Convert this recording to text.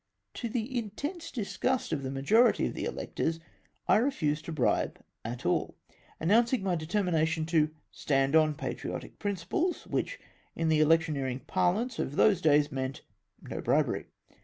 To the mtense disgust of the majority of the electors, I refused to bribe at all, amiouncing my determination to " stand on patriotic principles," wliich, in the election eermg parlance of those days, meant " no bribery."